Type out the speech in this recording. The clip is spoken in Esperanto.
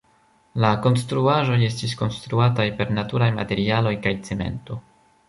La konstruaĵoj estis konstruataj per naturaj materialoj kaj cemento.